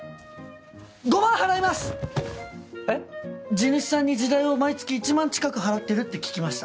地主さんに地代を毎月１万近く払ってるって聞きました。